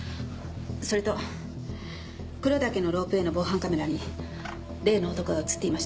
それと黒岳のロープウエーの防犯カメラに例の男が映っていました。